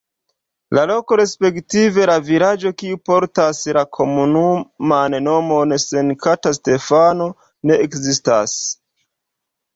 Loko respektive vilaĝo, kiu portas la komunuman nomon Sankt-Stefano, ne ekzistas.